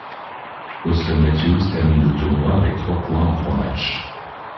Auston Matthews termine le tournoi avec trois points en trois matchs.